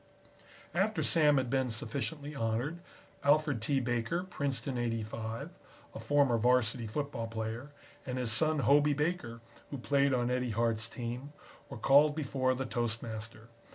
After Sam had been sufficiently honored, Alfred T. Baker, Princeton '85, a former Varsity football player, and his son Hobey Baker, who played on Eddie Hart's team, were called before the toastmaster.